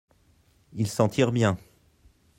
Il s'en tire bien.